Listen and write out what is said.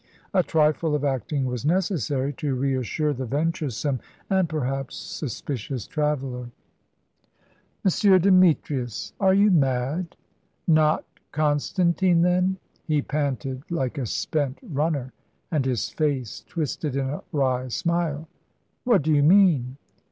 A trifle of acting was necessary to reassure the venturesome and perhaps suspicious traveller. "M. Demetrius! Are you mad?" "Not Constantine, then." He panted like a spent runner, and his face twisted in a wry smile. "What do you mean?"